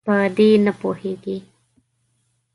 په دې نه پوهیږي.